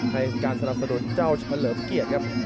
ให้การสนับสนุนเจ้าเฉลิมเกียรติครับ